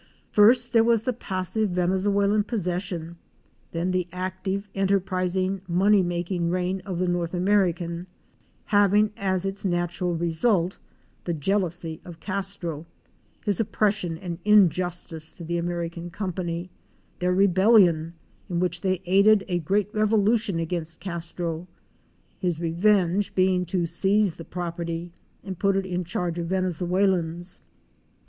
First there was the passive Venezuelan possession; then the active, en terprising, money making reign of the North American; hav ing as its natural result the jealousy of Castro, his oppres sion and injustice to the American Company; their rebellion, in which they aided a great revolution against Castro; his revenge being to seize the property and put it in charge of Venezuelans.